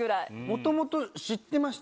もともと知ってました？